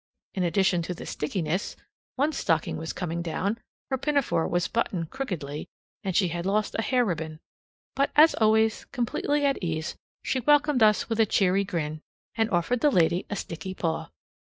In addition to the stickiness, one stocking was coming down, her pinafore was buttoned crookedly, and she had lost a hair ribbon. But as always completely at ease, she welcomed us with a cheery grin, and offered the lady a sticky paw.